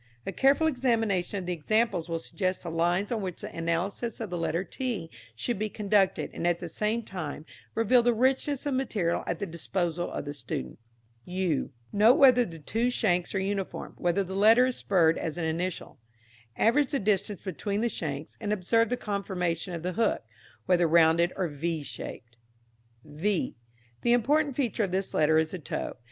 A careful examination of the examples will suggest the lines on which the analysis of the letter t should be conducted and at the same time reveal the richness of material at the disposal of the student. u. Note whether the two shanks are uniform, whether the letter is spurred as an initial. Average the distance between the shanks, and observe the conformation of the hook, whether rounded or v shaped. v. The important feature of this letter is the toe.